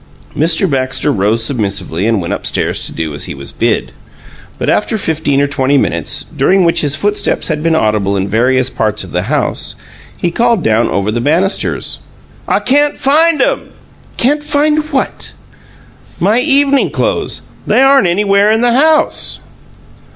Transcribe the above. Mr. Baxter rose submissively and went upstairs to do as he was bid. But, after fifteen or twenty minutes, during which his footsteps had been audible in various parts of the house, he called down over the banisters: "I can't find 'em." "Can't find what?" "My evening clothes. They aren't anywhere in the house."